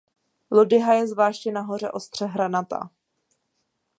Lodyha je zvláště nahoře ostře hranatá.